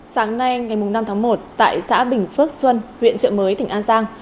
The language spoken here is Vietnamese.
sáng nay ngày năm tháng một tại xã bình phước xuân huyện trợ mới tỉnh an giang